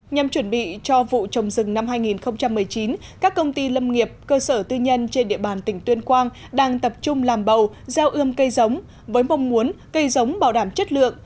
nhằm chuẩn bị cho vụ trồng rừng năm hai nghìn một mươi chín các công ty lâm nghiệp cơ sở tư nhân trên địa bàn tỉnh tuyên quang đang tập trung làm bầu gieo ươm cây giống với mong muốn cây giống bảo đảm chất lượng